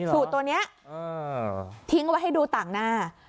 สูตรตัวนี้ทิ้งไว้ให้ดูต่างหน้า